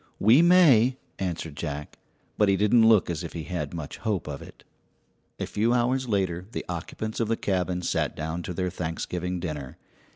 "We may," answered Jack; but he didn't look as if he had much hope of it. A few hours later the occupants of the cabin sat down to their Thanksgiving dinner.